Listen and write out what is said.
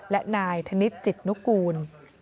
และนายธนิษฐจิตนุกูล